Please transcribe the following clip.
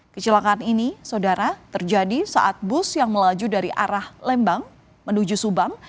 kecelakaan ini saudara terjadi saat bus yang melaju dari arah lembang menuju subang